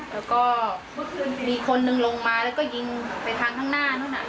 แล้วก็เมื่อคืนนึงลงมาแล้วก็ยิงไปทางข้างหน้านู้น